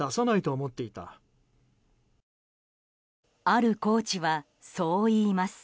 あるコーチはそう言います。